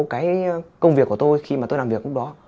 cái công việc của tôi khi mà tôi làm việc lúc đó